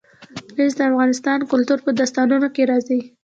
مس د افغان کلتور په داستانونو کې راځي.